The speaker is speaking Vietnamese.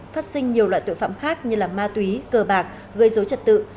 phát sinh nhiều loại tội phạm khác như ma túy cờ bạc gây dối trật tự